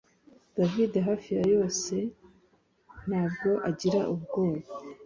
David hafi ya yose ntabwo agira ubwoba